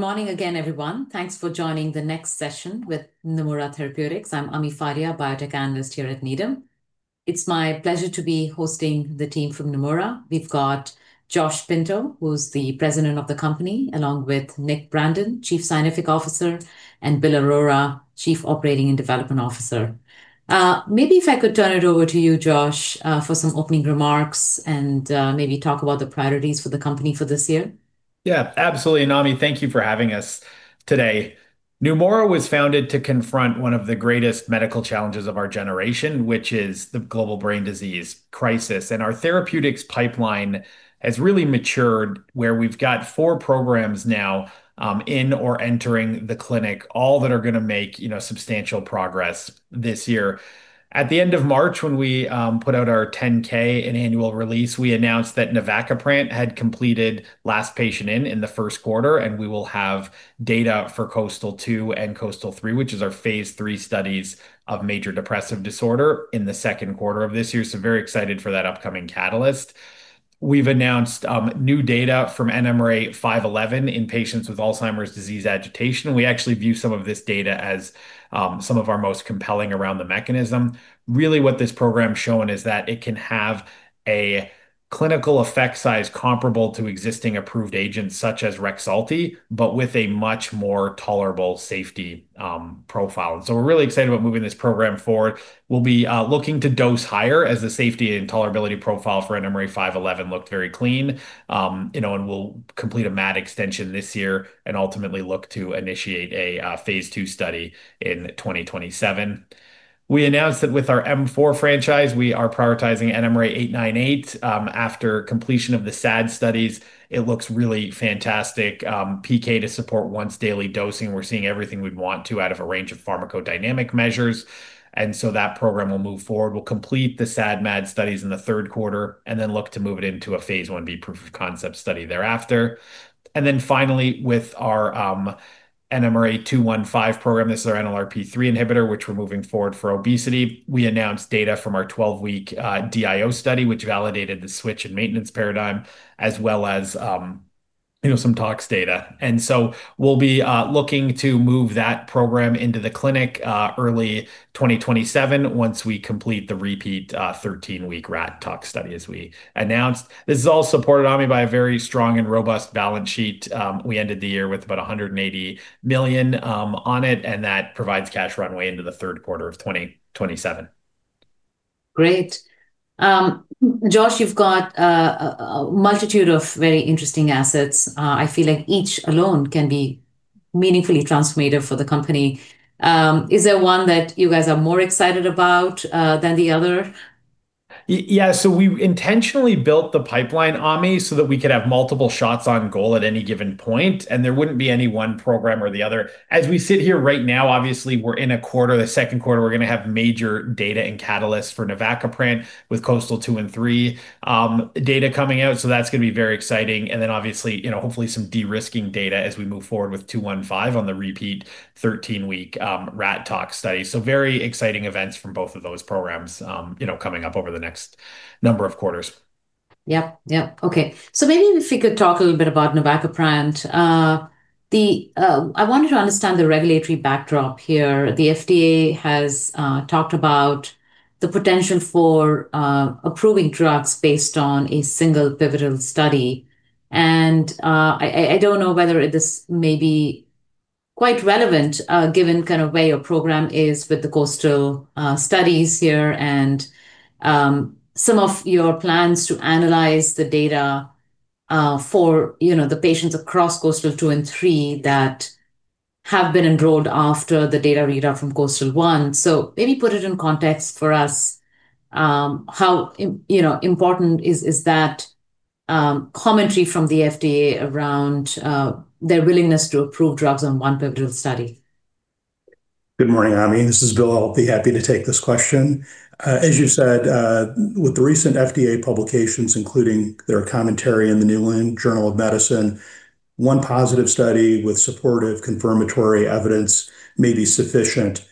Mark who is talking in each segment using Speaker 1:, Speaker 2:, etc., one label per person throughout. Speaker 1: Good morning again, everyone. Thanks for joining the next session with Neumora Therapeutics. I'm Ami Fadia, Biotech Analyst here at Needham. It's my pleasure to be hosting the team from Neumora. We've got Josh Pinto, who's the President of the company, along with Nick Brandon, Chief Scientific Officer, and Bill Aurora, Chief Operating and Development Officer. Maybe if I could turn it over to you, Josh, for some opening remarks and maybe talk about the priorities for the company for this year.
Speaker 2: Yeah, absolutely, Ami. Thank you for having us today. Neumora was founded to confront one of the greatest medical challenges of our generation, which is the global brain disease crisis. Our therapeutics pipeline has really matured, where we've got four programs now in or entering the clinic, all that are going to make substantial progress this year. At the end of March, when we put out our 10-K and annual release, we announced that navacaprant had completed last patient in in the first quarter, and we will have data for KOASTAL-2 and KOASTAL-3, which is our phase III studies of major depressive disorder in the second quarter of this year. Very excited for that upcoming catalyst. We've announced new data from NMRA-511 in patients with Alzheimer's disease agitation. We actually view some of this data as some of our most compelling around the mechanism. Really what this program's shown is that it can have a clinical effect size comparable to existing approved agents such as Rexulti, but with a much more tolerable safety profile. We're really excited about moving this program forward. We'll be looking to dose higher as the safety and tolerability profile for NMRA-511 looked very clean. We'll complete a MAD extension this year and ultimately look to initiate a phase II study in 2027. We announced that with our M4 franchise, we are prioritizing NMRA-898 after completion of the SAD studies. It looks really fantastic. PK to support once daily dosing. We're seeing everything we'd want to out of a range of pharmacodynamic measures. That program will move forward. We'll complete the SAD/MAD studies in the third quarter and then look to move it into a phase Ia/Ib proof of concept study thereafter. Finally, with our NMRA-215 program, this is our NLRP3 inhibitor, which we're moving forward for obesity. We announced data from our 12-week DIO study, which validated the switch and maintenance paradigm as well as some tox data. We'll be looking to move that program into the clinic early 2027 once we complete the repeat 13-week rat tox study, as we announced. This is all supported, Ami, by a very strong and robust balance sheet. We ended the year with about $180 million on hand, and that provides cash runway into the third quarter of 2027.
Speaker 1: Great. Joshua, you've got a multitude of very interesting assets. I feel like each alone can be meaningfully transformative for the company. Is there one that you guys are more excited about than the other?
Speaker 2: Yeah. We intentionally built the pipeline, Ami, so that we could have multiple shots on goal at any given point, and there wouldn't be any one program or the other. As we sit here right now, obviously we're in a quarter, the second quarter, we're going to have major data and catalysts for navacaprant with KOASTAL-2 and -3 data coming out, so that's going to be very exciting. Obviously, hopefully some de-risking data as we move forward with 215 on the repeat 13-week rat tox study. Very exciting events from both of those programs coming up over the next number of quarters.
Speaker 1: Yep. Okay. Maybe if we could talk a little bit about navacaprant. I wanted to understand the regulatory backdrop here. The FDA has talked about the potential for approving drugs based on a single pivotal study, and I don't know whether this may be quite relevant, given kind of where your program is with the KOASTAL studies here and some of your plans to analyze the data for the patients across KOASTAL-2 and three that have been enrolled after the data readout from KOASTAL-1. Maybe put it in context for us, how important is that commentary from the FDA around their willingness to approve drugs on one pivotal study?
Speaker 3: Good morning, Ami. This is Bill. I'll be happy to take this question. As you said, with the recent FDA publications, including their commentary in The New England Journal of Medicine, one positive study with supportive confirmatory evidence may be sufficient.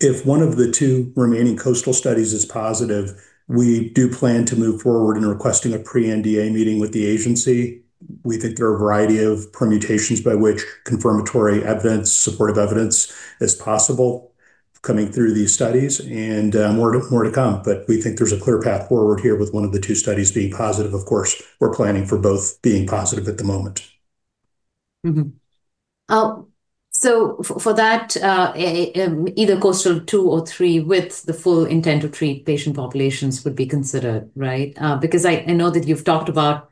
Speaker 3: If one of the two remaining KOASTAL studies is positive, we do plan to move forward in requesting a pre-NDA meeting with the agency. We think there are a variety of permutations by which confirmatory evidence, supportive evidence is possible coming through these studies, and more to come. We think there's a clear path forward here with one of the two studies being positive. Of course, we're planning for both being positive at the moment.
Speaker 1: Mm-hmm. For that, either KOASTAL-2 or 3 with the full intent-to-treat patient populations would be considered, right? Because I know that you've talked about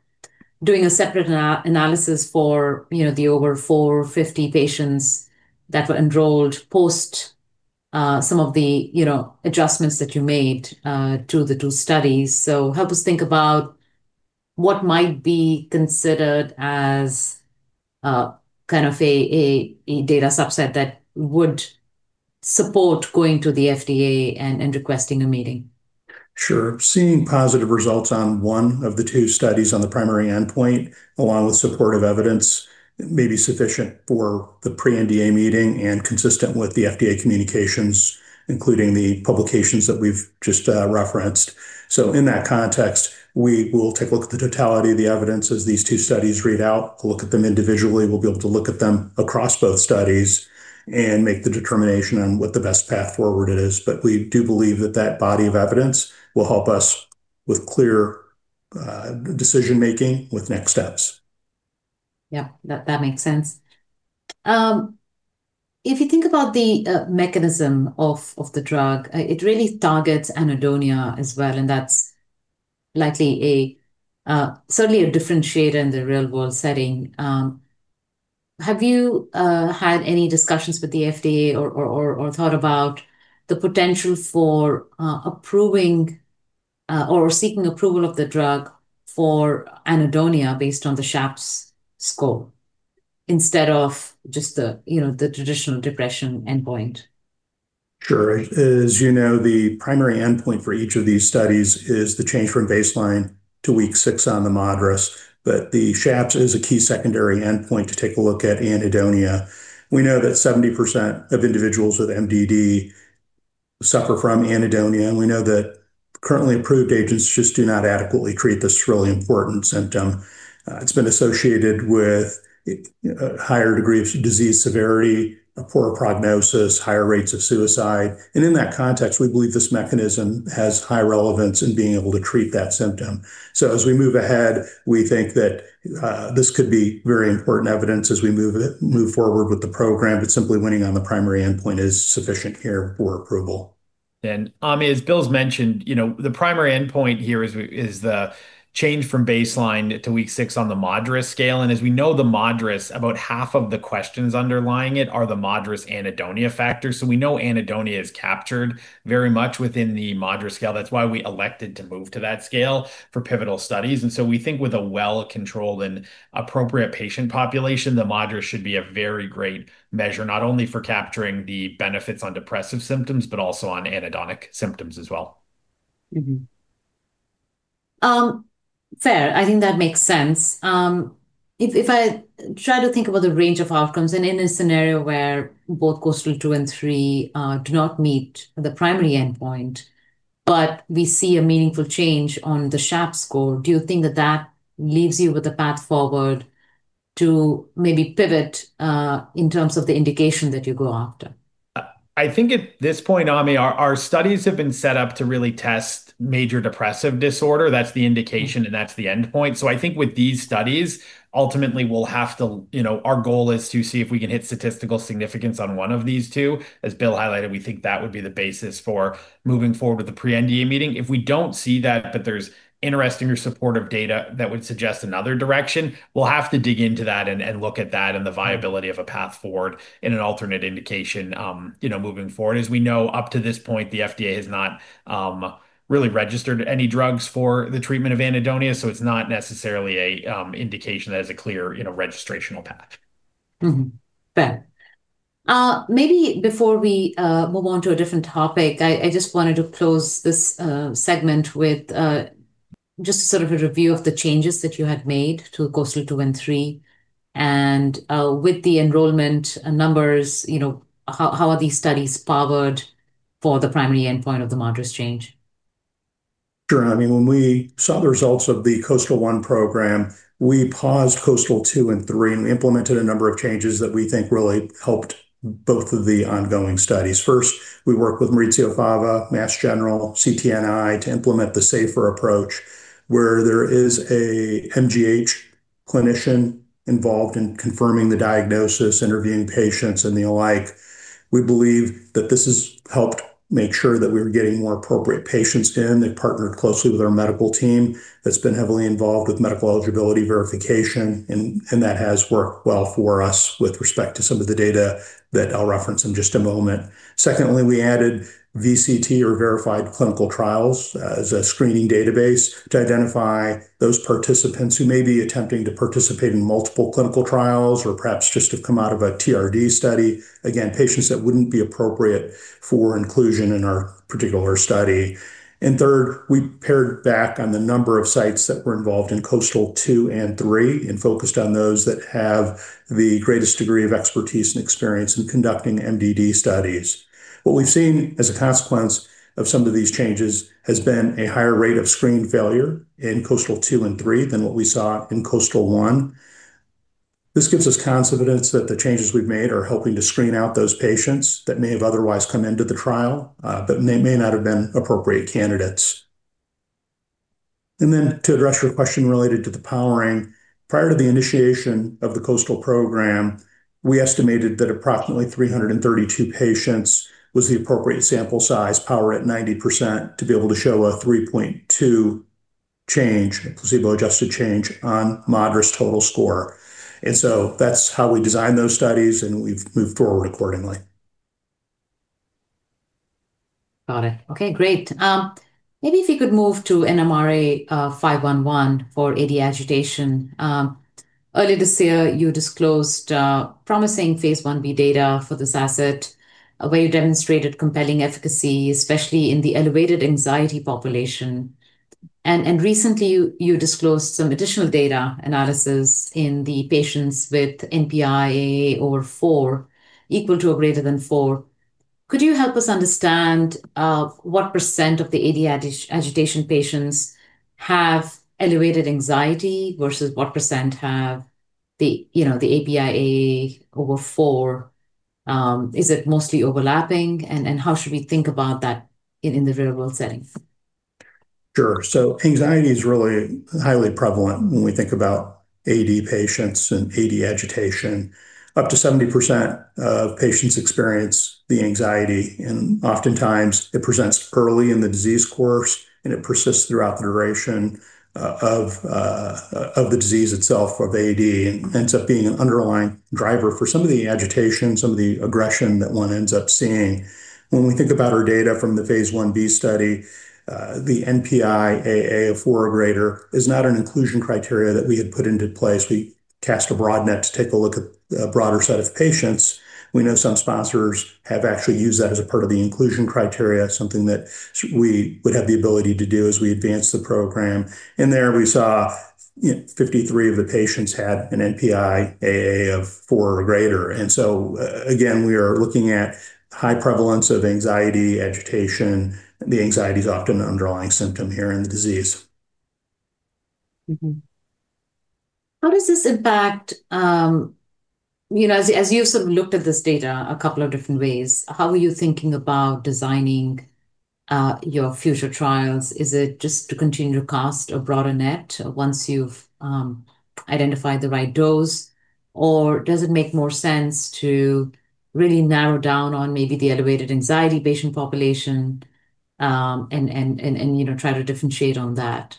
Speaker 1: doing a separate analysis for the over 450 patients that were enrolled post some of the adjustments that you made to the two studies. Help us think about what might be considered as kind of a data subset that would support going to the FDA and requesting a meeting.
Speaker 3: Sure. Seeing positive results on one of the two studies on the primary endpoint, along with supportive evidence, may be sufficient for the pre-NDA meeting and consistent with the FDA communications, including the publications that we've just referenced. In that context, we will take a look at the totality of the evidence as these two studies read out. We'll look at them individually, we'll be able to look at them across both studies, and make the determination on what the best path forward is. We do believe that that body of evidence will help us with clear decision-making with next steps.
Speaker 1: Yeah, that makes sense. If you think about the mechanism of the drug, it really targets anhedonia as well, and that's certainly a differentiator in the real-world setting. Have you had any discussions with the FDA or thought about the potential for approving, or seeking approval of the drug for anhedonia based on the SHAPS score, instead of just the traditional depression endpoint?
Speaker 3: Sure. As you know, the primary endpoint for each of these studies is the change from baseline to week six on the MADRS, but the SHAPS is a key secondary endpoint to take a look at anhedonia. We know that 70% of individuals with MDD suffer from anhedonia, and we know that currently approved agents just do not adequately treat this really important symptom. It's been associated with a higher degree of disease severity, a poorer prognosis, higher rates of suicide, and in that context, we believe this mechanism has high relevance in being able to treat that symptom. So as we move ahead, we think that this could be very important evidence as we move forward with the program, but simply winning on the primary endpoint is sufficient here for approval.
Speaker 2: Ami, as Bill's mentioned, the primary endpoint here is the change from baseline to week six on the MADRS scale, and as we know, the MADRS, about half of the questions underlying it are the MADRS anhedonia factors. We know anhedonia is captured very much within the MADRS scale. That's why we elected to move to that scale for pivotal studies. We think with a well-controlled and appropriate patient population, the MADRS should be a very great measure, not only for capturing the benefits on depressive symptoms, but also on anhedonic symptoms as well.
Speaker 1: Mm-hmm. Fair. I think that makes sense. If I try to think about the range of outcomes and in a scenario where both KOASTAL-2 and -3 do not meet the primary endpoint, but we see a meaningful change on the SHAPS score, do you think that that leaves you with a path forward to maybe pivot, in terms of the indication that you go after?
Speaker 2: I think at this point, Ami, our studies have been set up to really test major depressive disorder. That's the indication, and that's the endpoint. I think with these studies, ultimately our goal is to see if we can hit statistical significance on one of these two. As Bill highlighted, we think that would be the basis for moving forward with the pre-NDA meeting. If we don't see that, but there's interesting or supportive data that would suggest another direction, we'll have to dig into that and look at that and the viability of a path forward in an alternate indication moving forward. As we know, up to this point, the FDA has not really registered any drugs for the treatment of anhedonia, so it's not necessarily an indication that has a clear registrational path.
Speaker 1: Mm-hmm. Fair. Maybe before we move on to a different topic, I just wanted to close this segment with just a review of the changes that you had made to KOASTAL-2 and 3. With the enrollment numbers, how are these studies powered for the primary endpoint of the MADRS change?
Speaker 3: Sure. Ami, when we saw the results of the KOASTAL-1 program, we paused KOASTAL-2 and -3 and implemented a number of changes that we think really helped both of the ongoing studies. First, we worked with Maurizio Fava, Mass General, CTNI, to implement the SAFER approach, where there is an MGH clinician involved in confirming the diagnosis, interviewing patients, and the like. We believe that this has helped make sure that we were getting more appropriate patients in. They partnered closely with our medical team that's been heavily involved with medical eligibility verification, and that has worked well for us with respect to some of the data that I'll reference in just a moment. Secondly, we added VCT, or Verified Clinical Trials, as a screening database to identify those participants who may be attempting to participate in multiple clinical trials or perhaps just have come out of a TRD study, again, patients that wouldn't be appropriate for inclusion in our particular study. Third, we pared back on the number of sites that were involved in KOASTAL-2 and KOASTAL-3 and focused on those that have the greatest degree of expertise and experience in conducting MDD studies. What we've seen as a consequence of some of these changes has been a higher rate of screen failure in KOASTAL-2 and KOASTAL-3 than what we saw in KOASTAL-1. This gives us confidence that the changes we've made are helping to screen out those patients that may have otherwise come into the trial but may not have been appropriate candidates. To address your question related to the powering, prior to the initiation of the KOASTAL program, we estimated that approximately 332 patients was the appropriate sample size, power at 90%, to be able to show a 3.2 change, a placebo-adjusted change, on MADRS total score. That's how we designed those studies, and we've moved forward accordingly.
Speaker 1: Got it. Okay, great. Maybe if you could move to NMRA-511 for AD agitation. Earlier this year, you disclosed promising phase I-B data for this asset, where you demonstrated compelling efficacy, especially in the elevated anxiety population. Recently, you disclosed some additional data analysis in the patients with NPI-A/A over four, equal to or greater than four. Could you help us understand what % of the AD agitation patients have elevated anxiety versus what percent have the NPI-A/A over four? Is it mostly overlapping? How should we think about that in the real-world setting?
Speaker 3: Sure. Anxiety is really highly prevalent when we think about AD patients and AD agitation. Up to 70% of patients experience the anxiety, and oftentimes it presents early in the disease course, and it persists throughout the duration of the disease itself, of AD, and ends up being an underlying driver for some of the agitation, some of the aggression that one ends up seeing. When we think about our data from the phase I-B study, the NPI-A/A of four or greater is not an inclusion criteria that we had put into place. We cast a broad net to take a look at a broader set of patients. We know some sponsors have actually used that as a part of the inclusion criteria, something that we would have the ability to do as we advance the program. In there, we saw 53 of the patients had an NPI-A/A of four or greater. Again, we are looking at high prevalence of anxiety, agitation. The anxiety is often an underlying symptom here in the disease.
Speaker 1: Mm-hmm. As you've sort of looked at this data a couple of different ways, how are you thinking about designing your future trials? Is it just to continue to cast a broader net once you've identified the right dose, or does it make more sense to really narrow down on maybe the elevated anxiety patient population, and try to differentiate on that?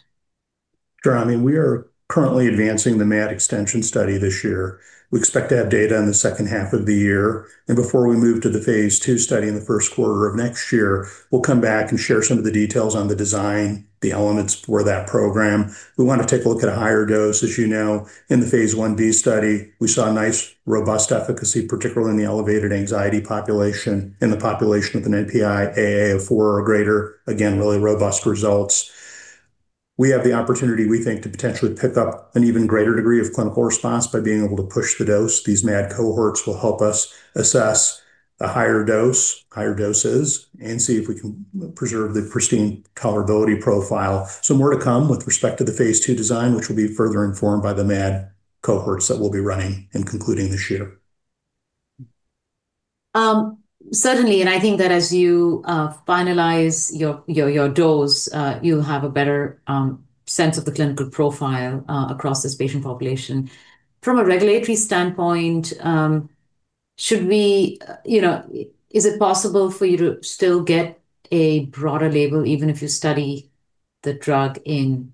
Speaker 3: Sure. I mean, we are currently advancing the MAD extension study this year. We expect to have data in the second half of the year. Before we move to the phase II study in the first quarter of next year, we'll come back and share some of the details on the design, the elements for that program. We want to take a look at a higher dose. As you know, in the phase I-B study, we saw a nice, robust efficacy, particularly in the elevated anxiety population, in the population with an NPI-A/A of four or greater. Again, really robust results. We have the opportunity, we think, to potentially pick up an even greater degree of clinical response by being able to push the dose. These MAD cohorts will help us assess the higher doses and see if we can preserve the pristine tolerability profile. More to come with respect to the phase II design, which will be further informed by the MAD cohorts that we'll be running and concluding this year.
Speaker 1: Certainly, I think that as you finalize your dose, you'll have a better sense of the clinical profile across this patient population. From a regulatory standpoint, is it possible for you to still get a broader label even if you study the drug in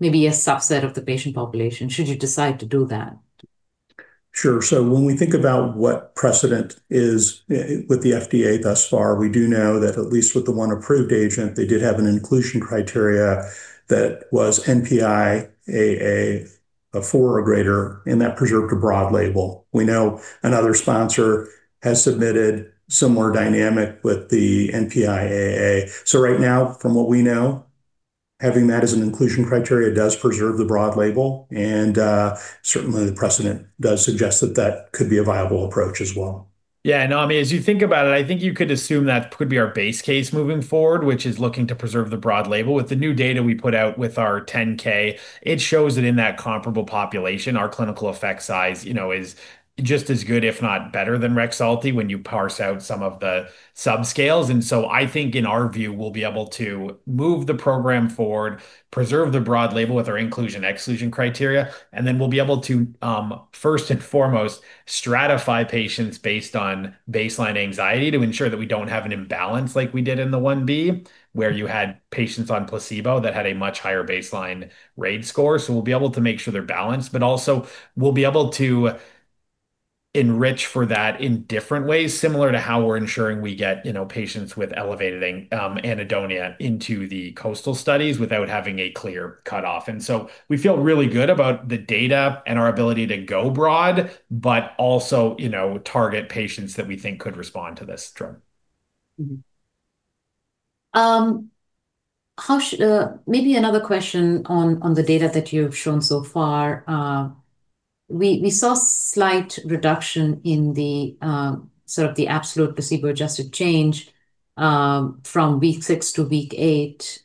Speaker 1: maybe a subset of the patient population, should you decide to do that?
Speaker 3: Sure. When we think about what precedent is with the FDA thus far, we do know that at least with the one approved agent, they did have an inclusion criteria that was NPI-A/A of four or greater, and that preserved a broad label. We know another sponsor has submitted similar dynamic with the NPI-A/A. Right now, from what we know, having that as an inclusion criteria does preserve the broad label, and certainly the precedent does suggest that that could be a viable approach as well.
Speaker 2: Yeah. No, I mean, as you think about it, I think you could assume that could be our base case moving forward, which is looking to preserve the broad label. With the new data we put out with our 10-K, it shows that in that comparable population, our clinical effect size is just as good, if not better than Rexulti when you parse out some of the subscales. I think in our view, we'll be able to move the program forward, preserve the broad label with our inclusion/exclusion criteria, and then we'll be able to, first and foremost, stratify patients based on baseline anxiety to ensure that we don't have an imbalance like we did in the I-B, where you had patients on placebo that had a much higher baseline RAID score. We'll be able to make sure they're balanced, but also we'll be able to enrich for that in different ways, similar to how we're ensuring we get patients with elevated anhedonia into the KOASTAL studies without having a clear cutoff. We feel really good about the data and our ability to go broad, but also target patients that we think could respond to this drug.
Speaker 1: Mm-hmm. Maybe another question on the data that you've shown so far. We saw slight reduction in the absolute placebo-adjusted change from week six to week eight.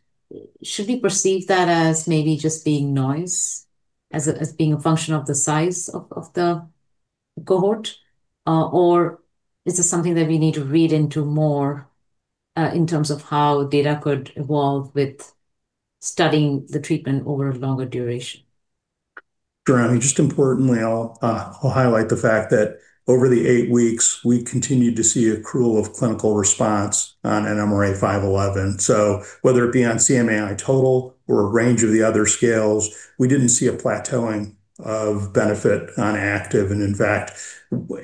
Speaker 1: Should we perceive that as maybe just being noise, as being a function of the size of the cohort, or is this something that we need to read into more, in terms of how data could evolve with studying the treatment over a longer duration?
Speaker 3: Sure. I mean, just importantly, I'll highlight the fact that over the eight weeks, we continued to see accrual of clinical response on NMRA-511. Whether it be on CMAI total or a range of the other scales, we didn't see a plateauing of benefit on active. In fact,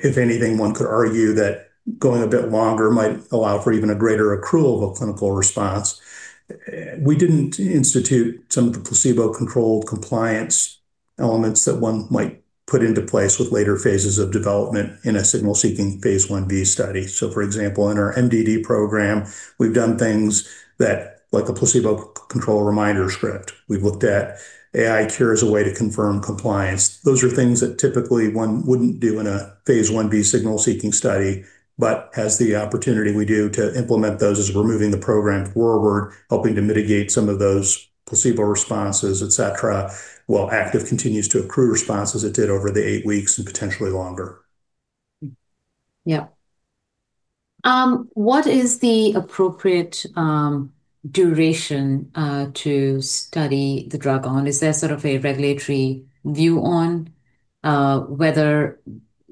Speaker 3: if anything, one could argue that going a bit longer might allow for even a greater accrual of a clinical response. We didn't institute some of the placebo-controlled compliance Elements that one might put into place with later phases of development in a signal-seeking phase I-B study, for example, in our MDD program, we've done things like a placebo control reminder script. We've looked at AiCure as a way to confirm compliance. Those are things that typically one wouldn't do in a phase I-B signal-seeking study, but as the opportunity we do to implement those as we're moving the program forward, helping to mitigate some of those placebo responses, et cetera, while active continues to accrue responses, it did over the eight weeks, and potentially longer.
Speaker 1: Yeah. What is the appropriate duration to study the drug on? Is there sort of a regulatory view on whether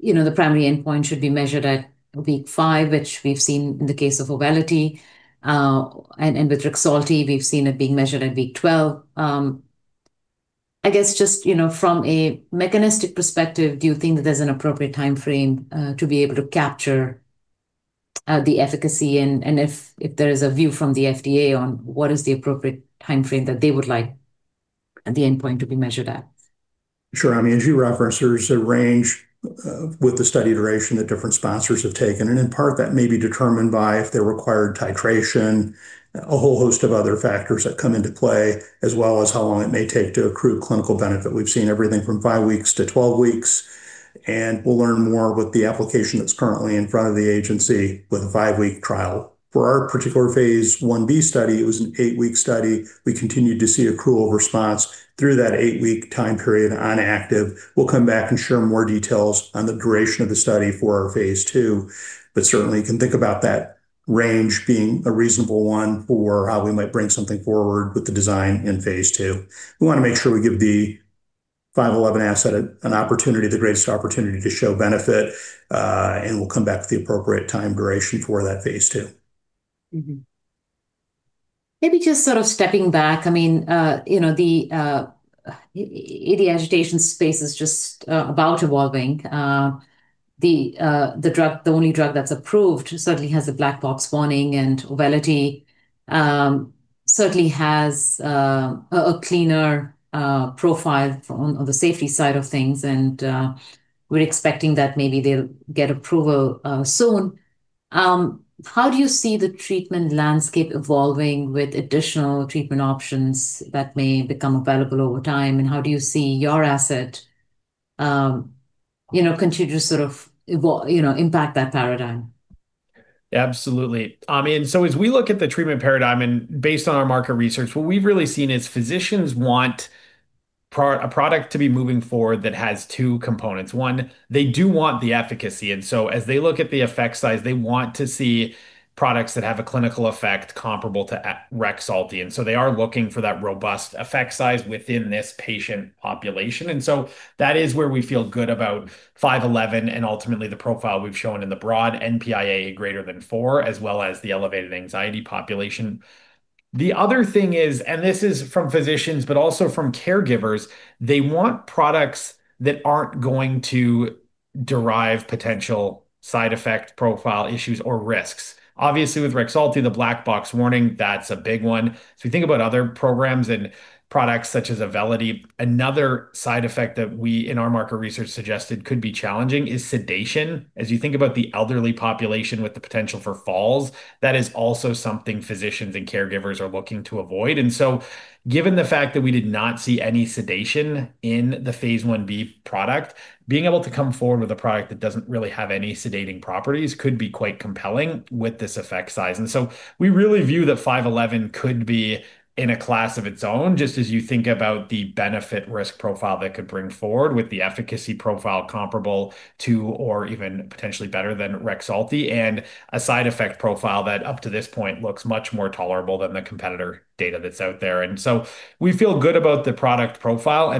Speaker 1: the primary endpoint should be measured at week five, which we've seen in the case of Auvelity, and with Rexulti, we've seen it being measured at week 12? I guess just from a mechanistic perspective, do you think that there's an appropriate timeframe to be able to capture the efficacy, and if there is a view from the FDA on what is the appropriate timeframe that they would like the endpoint to be measured at?
Speaker 3: Sure. I mean, as you referenced, there's a range with the study duration that different sponsors have taken, and in part that may be determined by if they required titration, a whole host of other factors that come into play, as well as how long it may take to accrue clinical benefit. We've seen everything from five weeks to 12 weeks, and we'll learn more with the application that's currently in front of the agency with a five-week trial. For our particular phase Ib study, it was an eight-week study. We continued to see accrual response through that eight-week time period on active. We'll come back and share more details on the duration of the study for our phase II, but certainly can think about that range being a reasonable one for how we might bring something forward with the design in phase II. We want to make sure we give the 511 asset the greatest opportunity to show benefit, and we'll come back with the appropriate time duration for that phase II.
Speaker 1: Mm-hmm. Maybe just sort of stepping back, the agitation space is just about evolving. The only drug that's approved certainly has a black box warning, and 511 certainly has a cleaner profile on the safety side of things. We're expecting that maybe they'll get approval soon. How do you see the treatment landscape evolving with additional treatment options that may become available over time, and how do you see your asset continue to sort of impact that paradigm?
Speaker 2: Absolutely. Ami, as we look at the treatment paradigm, and based on our market research, what we've really seen is physicians want a product to be moving forward that has two components. One, they do want the efficacy, and so as they look at the effect size, they want to see products that have a clinical effect comparable to Rexulti, and so they are looking for that robust effect size within this patient population. That is where we feel good about 511 and ultimately the profile we've shown in the broad NPI-A/A greater than four, as well as the elevated anxiety population. The other thing is, and this is from physicians, but also from caregivers, they want products that aren't going to derive potential side effect profile issues or risks. Obviously, with Rexulti, the black box warning, that's a big one. So we think about other programs and products such as Auvelity. Another side effect that we in our market research suggested could be challenging is sedation. As you think about the elderly population with the potential for falls, that is also something physicians and caregivers are looking to avoid. And so given the fact that we did not see any sedation in the phase Ib product, being able to come forward with a product that doesn't really have any sedating properties could be quite compelling with this effect size. And so we really view that 511 could be in a class of its own, just as you think about the benefit risk profile that could bring forward with the efficacy profile comparable to or even potentially better than Rexulti, and a side effect profile that up to this point looks much more tolerable than the competitor data that's out there. We feel good about the product profile.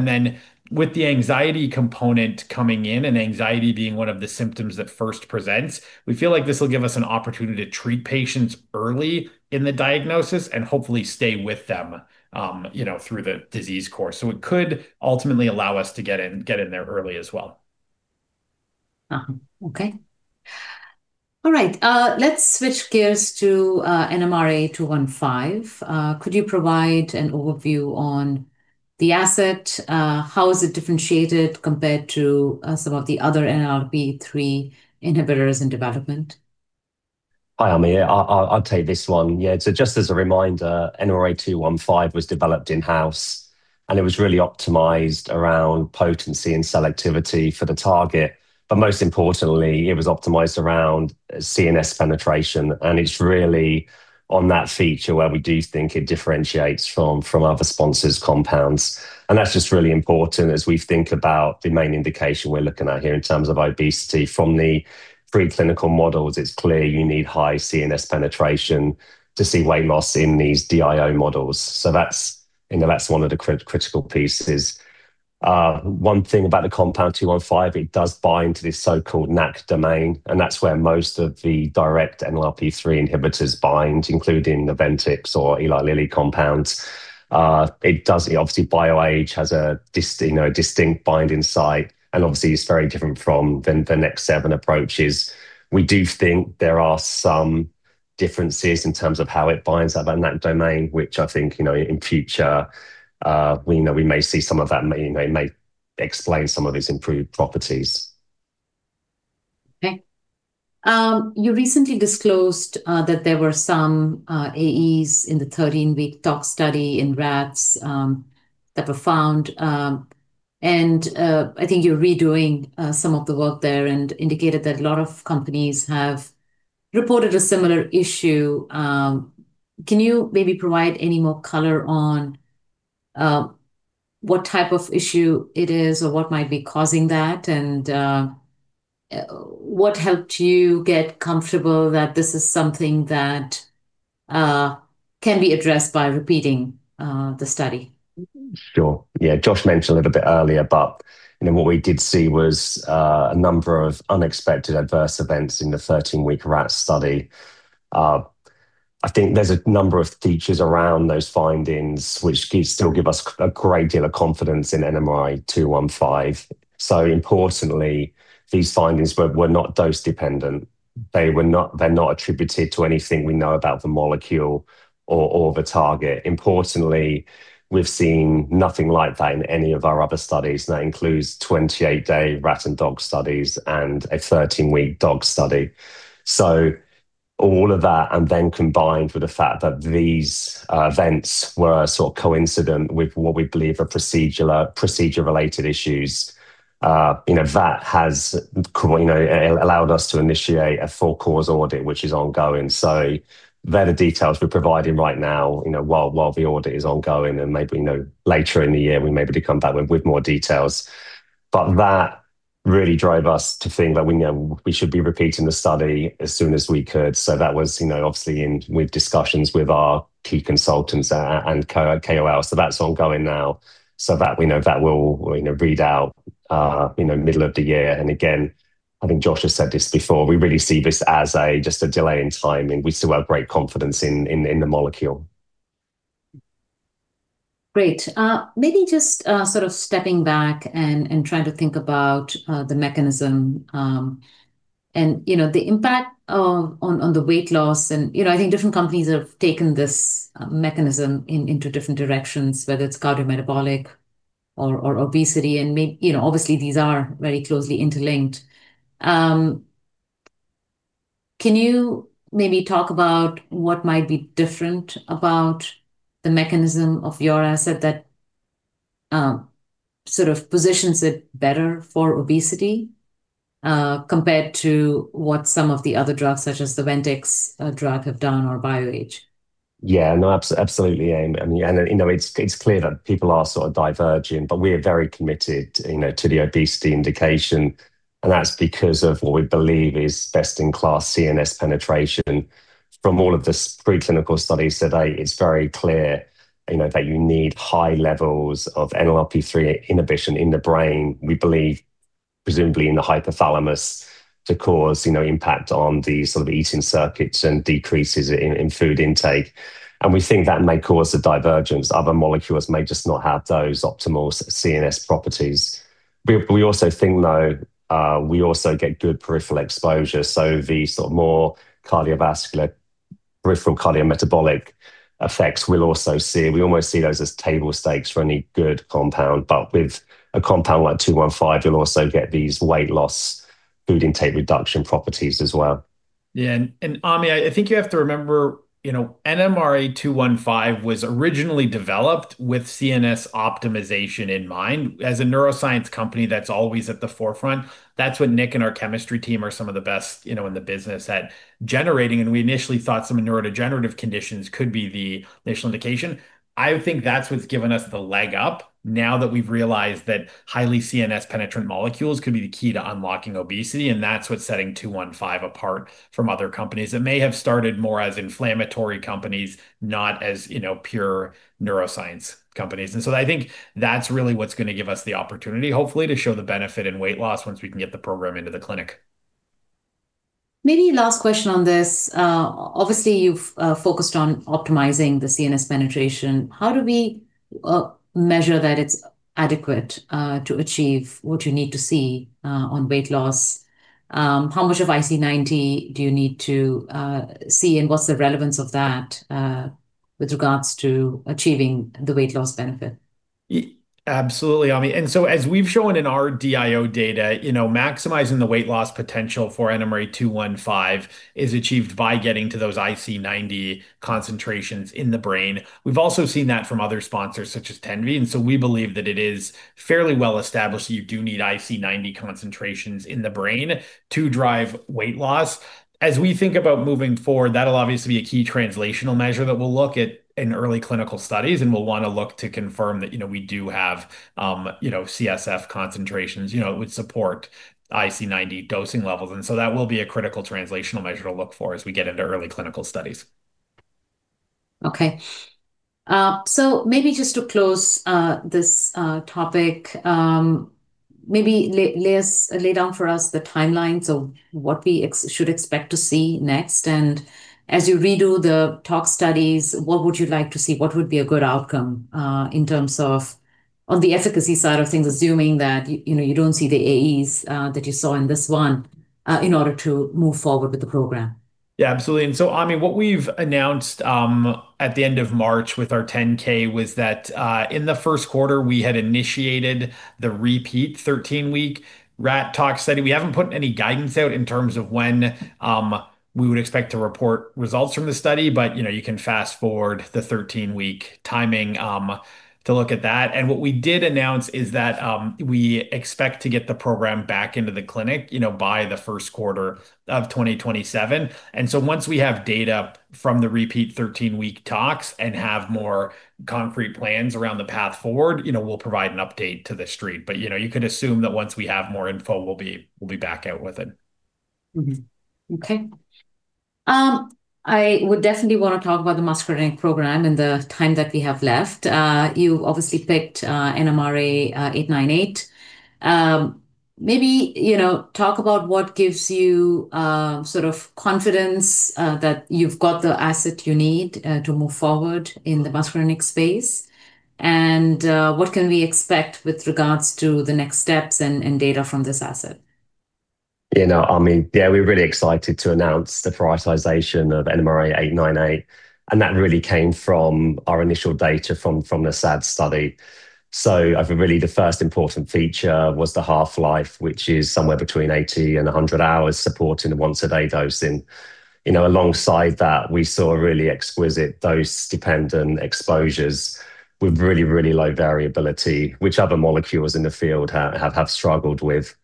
Speaker 2: With the anxiety component coming in and anxiety being one of the symptoms that first presents, we feel like this will give us an opportunity to treat patients early in the diagnosis and hopefully stay with them through the disease course. It could ultimately allow us to get in there early as well.
Speaker 1: Okay. All right. Let's switch gears to NMRA215. Could you provide an overview on the asset? How is it differentiated compared to some of the other NLRP3 inhibitors in development?
Speaker 4: Hi, Ami. I'll take this one. Yeah. Just as a reminder, NMRA-215 was developed in-house, and it was really optimized around potency and selectivity for the target. Most importantly, it was optimized around CNS penetration, and it's really on that feature where we do think it differentiates from other sponsors' compounds. That's just really important as we think about the main indication we're looking at here in terms of obesity. From the preclinical models, it's clear you need high CNS penetration to see weight loss in these DIO models. That's one of the critical pieces. One thing about the compound 215, it does bind to this so-called NACHT domain, and that's where most of the direct NLRP3 inhibitors bind, including the Ventyx or Eli Lilly compounds. Obviously, BioAge has a distinct binding site, and obviously it's very different from the NEK7 approaches. We do think there are some differences in terms of how it binds that NACHT domain, which I think, in future, we may see some of that, may explain some of its improved properties.
Speaker 1: Okay. You recently disclosed that there were some AEs in the 13-week tox study in rats that were found. I think you're redoing some of the work there and indicated that a lot of companies have reported a similar issue. Can you maybe provide any more color on what type of issue it is or what might be causing that? What helped you get comfortable that this is something that can be addressed by repeating the study?
Speaker 4: Sure. Yeah. Josh mentioned a little bit earlier, but what we did see was a number of unexpected adverse events in the 13-week rat study. I think there's a number of features around those findings which still give us a great deal of confidence in NMRA-215. Importantly, these findings were not dose-dependent. They're not attributed to anything we know about the molecule or the target. Importantly, we've seen nothing like that in any of our other studies, and that includes 28-day rat and dog studies and a 13-week dog study. All of that, and then combined with the fact that these events were sort of coincident with what we believe are procedure-related issues, that has allowed us to initiate a full cause audit, which is ongoing. They're the details we're providing right now while the audit is ongoing, and maybe later in the year, we maybe come back with more details. That really drove us to think that we should be repeating the study as soon as we could. That was obviously in with discussions with our key consultants and KOLs. That's ongoing now. That will read out middle of the year. Again, I think Josh has said this before, we really see this as just a delay in timing. We still have great confidence in the molecule.
Speaker 1: Great. Maybe just sort of stepping back and trying to think about the mechanism and the impact on the weight loss, and I think different companies have taken this mechanism into different directions, whether it's cardiometabolic or obesity, and obviously these are very closely interlinked. Can you maybe talk about what might be different about the mechanism of your asset that sort of positions it better for obesity compared to what some of the other drugs, such as the Ventyx drug, have done or BioAge?
Speaker 4: Yeah. No, absolutely, Ami. It's clear that people are sort of diverging, but we are very committed to the obesity indication, and that's because of what we believe is best-in-class CNS penetration. From all of the preclinical studies to date, it's very clear that you need high levels of NLRP3 inhibition in the brain, we believe presumably in the hypothalamus, to cause impact on the sort of eating circuits and decreases in food intake. We think that may cause a divergence. Other molecules may just not have those optimal CNS properties. We also think, though, we also get good peripheral exposure, so the sort of more cardiovascular, peripheral cardiometabolic effects we'll also see. We almost see those as table stakes for any good compound. With a compound like 215, you'll also get these weight loss, food intake reduction properties as well.
Speaker 2: Yeah. Ami, I think you have to remember, NMRA-215 was originally developed with CNS optimization in mind. As a neuroscience company that's always at the forefront, that's what Nick and our chemistry team are some of the best in the business at generating, and we initially thought some neurodegenerative conditions could be the initial indication. I would think that's what's given us the leg up now that we've realized that highly CNS-penetrant molecules could be the key to unlocking obesity, and that's what's setting 215 apart from other companies that may have started more as inflammatory companies, not as pure neuroscience companies. I think that's really what's going to give us the opportunity, hopefully, to show the benefit in weight loss once we can get the program into the clinic.
Speaker 1: Maybe last question on this. Obviously, you've focused on optimizing the CNS penetration. How do we measure that it's adequate to achieve what you need to see on weight loss? How much of IC90 do you need to see, and what's the relevance of that with regards to achieving the weight loss benefit?
Speaker 2: Absolutely, Ami. And so as we've shown in our DIO data, maximizing the weight loss potential for NMRA-215 is achieved by getting to those IC90 concentrations in the brain. We've also seen that from other sponsors, such as Tenvie, and so we believe that it is fairly well established that you do need IC90 concentrations in the brain to drive weight loss. As we think about moving forward, that'll obviously be a key translational measure that we'll look at in early clinical studies, and we'll want to look to confirm that we do have CSF concentrations that would support IC90 dosing levels. And so that will be a critical translational measure to look for as we get into early clinical studies.
Speaker 1: Okay. Maybe just to close this topic, maybe lay down for us the timelines of what we should expect to see next. As you redo the tox studies, what would you like to see? What would be a good outcome in terms of on the efficacy side of things, assuming that you don't see the AEs that you saw in this one in order to move forward with the program?
Speaker 2: Yeah, absolutely. Ami, what we've announced at the end of March with our 10-K was that in the first quarter, we had initiated the repeat 13-week rat tox study. We haven't put any guidance out in terms of when we would expect to report results from the study. You can fast-forward the 13-week timing to look at that. What we did announce is that we expect to get the program back into the clinic by the first quarter of 2027. Once we have data from the repeat 13-week tox and have more concrete plans around the path forward, we'll provide an update to the Street. You can assume that once we have more info, we'll be back out with it.
Speaker 1: Okay. I would definitely want to talk about the muscarinic program in the time that we have left. You obviously picked NMRA-898. Maybe talk about what gives you confidence that you've got the asset you need to move forward in the muscarinic space, and what can we expect with regards to the next steps and data from this asset?
Speaker 4: Ami, yeah, we're really excited to announce the prioritization of NMRA-898, and that really came from our initial data from the SAD study. Really the first important feature was the half-life, which is somewhere between 80 and 100 hours, supporting the once-a-day dosing. Alongside that, we saw really exquisite dose-dependent exposures with really, really low variability, which other molecules in the field have struggled with.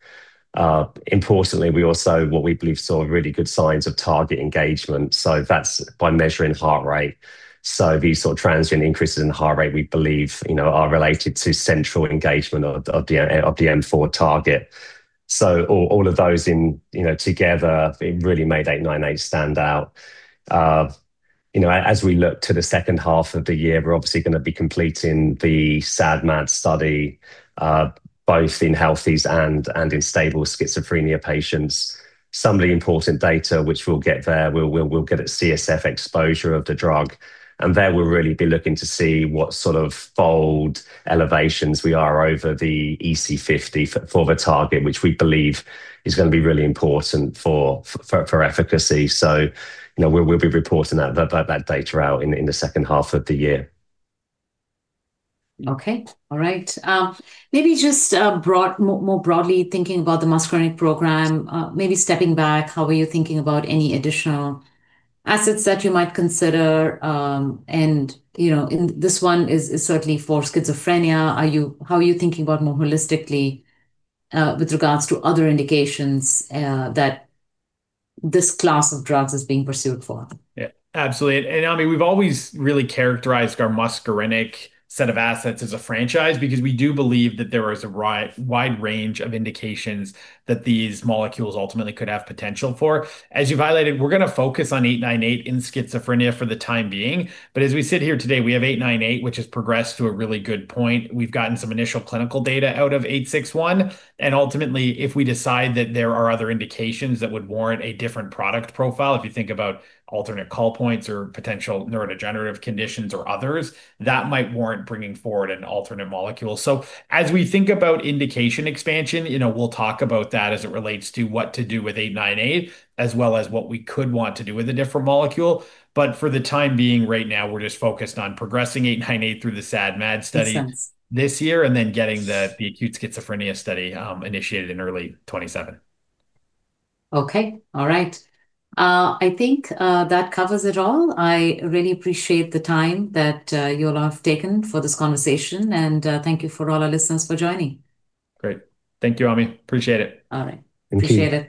Speaker 4: Importantly, we also, what we believe, saw really good signs of target engagement. That's by measuring heart rate. These sort of transient increases in heart rate, we believe, are related to central engagement of the M4 target. All of those together, it really made 898 stand out. As we look to the second half of the year, we're obviously going to be completing the SAD/MAD study, both in healthies and in stable schizophrenia patients. Some of the important data which we'll get there, we'll get a CSF exposure of the drug, and there we'll really be looking to see what sort of fold elevations we are over the EC50 for the target, which we believe is going to be really important for efficacy. We'll be reporting that data out in the second half of the year.
Speaker 1: Okay. All right. Maybe just more broadly thinking about the muscarinic program, maybe stepping back, how are you thinking about any additional assets that you might consider? This one is certainly for schizophrenia. How are you thinking about more holistically with regards to other indications that this class of drugs is being pursued for?
Speaker 2: Yeah, absolutely. Ami, we've always really characterized our muscarinic set of assets as a franchise because we do believe that there is a wide range of indications that these molecules ultimately could have potential for. As you highlighted, we're going to focus on 898 in schizophrenia for the time being. As we sit here today, we have 898, which has progressed to a really good point. We've gotten some initial clinical data out of 861. Ultimately, if we decide that there are other indications that would warrant a different product profile, if you think about alternate call points or potential neurodegenerative conditions or others, that might warrant bringing forward an alternate molecule. As we think about indication expansion, we'll talk about that as it relates to what to do with 898, as well as what we could want to do with a different molecule. For the time being right now, we're just focused on progressing 898 through the SAD/MAD study.
Speaker 1: Makes sense.
Speaker 2: This year, and then getting the acute schizophrenia study initiated in early 2027.
Speaker 1: Okay. All right. I think that covers it all. I really appreciate the time that you all have taken for this conversation, and thank you for all our listeners for joining.
Speaker 2: Great. Thank you, Ami. Appreciate it.
Speaker 1: All right.
Speaker 4: Thank you.
Speaker 1: Appreciate it.